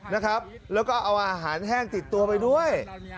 นะครับแล้วก็เอาอาหารแห้งติดตัวไปด้วย